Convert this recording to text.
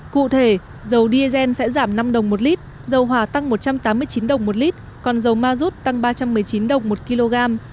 cụ thể dầu diesel sẽ giảm năm đồng một lít dầu hỏa tăng một trăm tám mươi chín đồng một lít còn dầu ma rút tăng ba trăm một mươi chín đồng một kg